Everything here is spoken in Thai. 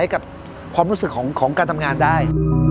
กับความรู้สึกของการทำงานได้